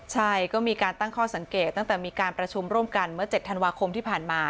ใช่ก็มีการตั้งข้อสังเกตตั้งแต่มีการประชุมร่วมกันเมื่อ๗ธันวาคมที่ผ่านมา